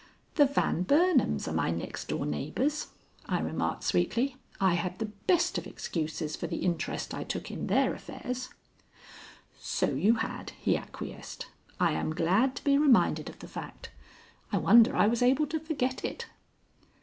"The Van Burnams are my next door neighbors," I remarked sweetly. "I had the best of excuses for the interest I took in their affairs." "So you had," he acquiesced. "I am glad to be reminded of the fact. I wonder I was able to forget it."